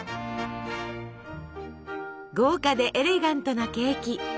豪華でエレガントなケーキ。